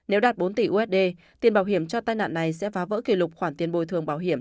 nếu đạt bốn tỷ usd tiền bảo hiểm cho tai nạn này sẽ phá vỡ kỷ lục khoản tiền bồi thường bảo hiểm